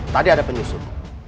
tadi ada penyusul